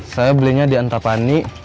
saya belinya di antapani